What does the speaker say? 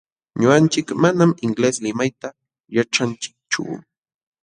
Ñuqanchik manam inglés limayta yaćhanchikchu.